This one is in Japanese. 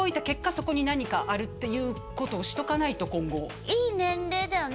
そこに何かあるっていうことをしとかないと今後いい年齢だよね